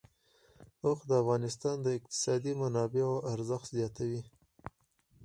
اوښ د افغانستان د اقتصادي منابعو ارزښت زیاتوي.